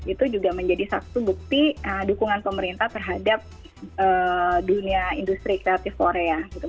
itu juga menjadi satu bukti dukungan pemerintah terhadap dunia industri kreatif korea gitu